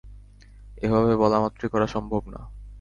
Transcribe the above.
এভাবে বলা মাত্রই করা সম্ভব না।